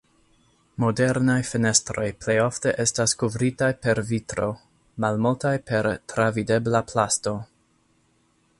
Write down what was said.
Modernaj fenestroj plejofte estas kovritaj per vitro; malmultaj per travidebla plasto.